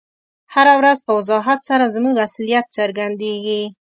هره ورځ په وضاحت سره زموږ اصلیت څرګندیږي.